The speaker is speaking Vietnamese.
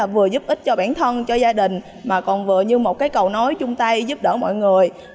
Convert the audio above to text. vừa giúp ích cho bản thân cho gia đình mà còn vừa như một cái cầu nói chung tay giúp đỡ mọi người